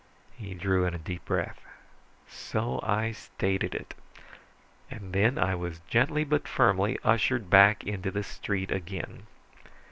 He drew in a deep breath. "So I stated it. And then I was gently but firmly ushered back into the street again."